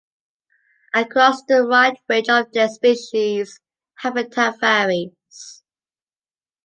Across the wide range of this species, habitat varies.